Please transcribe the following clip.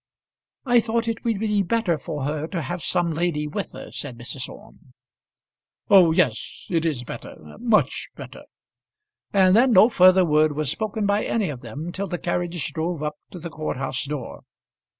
"I thought it would be better for her to have some lady with her," said Mrs. Orme. "Oh yes, it is better much better." And then no further word was spoken by any of them till the carriage drove up to the court house door.